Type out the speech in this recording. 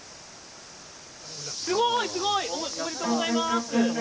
すごいすごい！おめでとうございます！